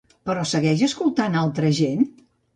Però segueix escoltant altra gent?